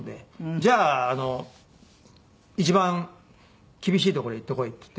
「じゃあ一番厳しい所へ行ってこい」って言って。